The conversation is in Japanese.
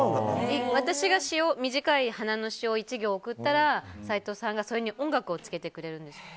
私が短い花の詩を１行送ったらサイトウさんがそれに音楽を付けてくれるんですよ。